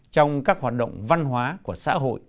trong các hoạt động văn hóa của xã hội